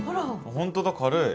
本当だ軽い。